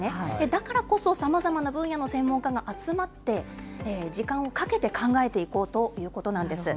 だからこそ、さまざまな分野の専門家が集まって、時間をかけて考えていこうということなんです。